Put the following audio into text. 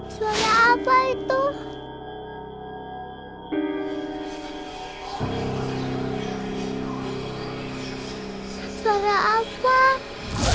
suara apa itu